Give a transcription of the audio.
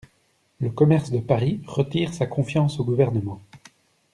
Le commerce de Paris retire sa confiance au gouvernement.